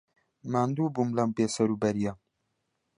ماندوو بووم لەم بێسەروبەرییە.